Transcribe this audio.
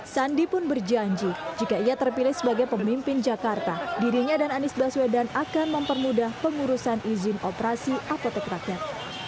sandi pun berjanji jika ia terpilih sebagai pemimpin jakarta dirinya dan anies baswedan akan mempermudah pengurusan izin operasi apotek rakyat